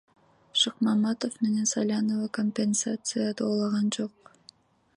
Шыкмаматов менен Салянова компенсация доолаган жок.